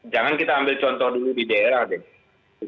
jangan kita ambil contoh dulu di daerah deh